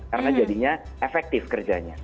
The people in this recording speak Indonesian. karena jadinya efektif kerjanya